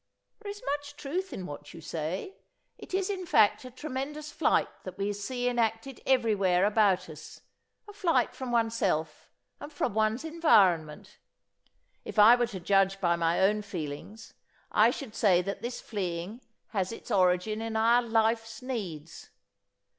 "There is much truth in what you say. It is in fact a tremendous flight that we see enacted everywhere about us, a flight from oneself and from one's environment. If I were to judge by my own feelings I should say that this fleeing has its origin in our life's needs.